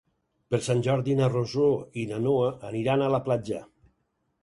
Per Sant Jordi na Rosó i na Noa aniran a la platja.